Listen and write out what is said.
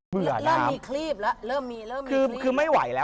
เริ่มมีครีปแล้ว